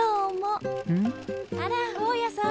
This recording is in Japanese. あら大家さん。